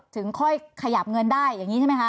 ถึงค่อยขยับเงินได้อย่างนี้ใช่ไหมคะ